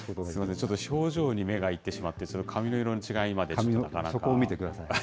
ちょっと、表情に目がいってしまって、髪の色の違いまでなかなか。